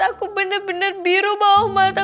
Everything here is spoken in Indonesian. aku bener bener biru bawah mata